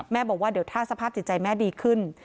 บอกว่าเดี๋ยวถ้าสภาพจิตใจแม่ดีขึ้น